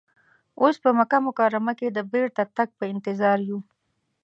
اوس په مکه مکرمه کې د بیرته تګ په انتظار یو.